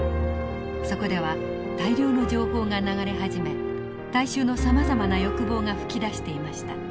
そこでは大量の情報が流れ始め大衆のさまざまな欲望が噴き出していました。